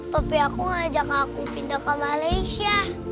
tapi aku ngajak aku pindah ke malaysia